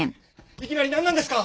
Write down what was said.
いきなりなんなんですか！？